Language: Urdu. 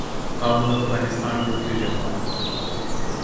Kabul Afghanistan Tokyo Japan